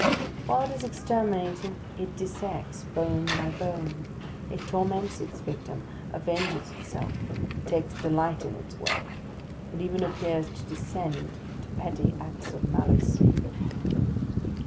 While it is exterminating it dissects bone by bone. It torments its victim, avenges itself, and takes delight in its work. It even appears to descend to petty acts of malice.